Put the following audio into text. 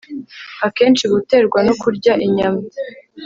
akenshi guterwa no kurya inyama